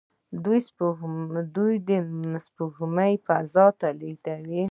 دوی سپوږمکۍ فضا ته لیږلي.